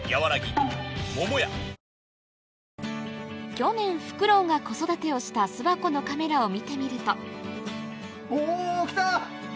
去年フクロウが子育てをした巣箱のカメラを見てみるとお来た！